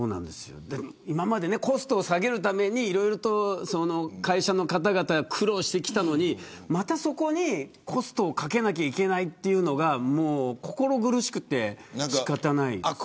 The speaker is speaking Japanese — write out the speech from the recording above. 今までコストを下げるためにいろいろと会社の方々が苦労してきたのにまたそこにコストをかけなきゃいけないというのが心苦しくて仕方がないです。